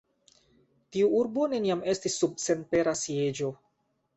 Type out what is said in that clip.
Tiu urbo neniam estis sub senpera sieĝo.